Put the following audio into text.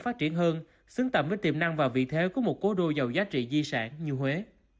phát triển hơn xứng tầm với tiềm năng và vị thế của một cố đô giàu giá trị di sản như huế